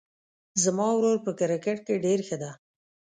زما ورور په کرکټ کې ډېر ښه ده